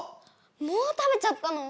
もう食べちゃったの⁉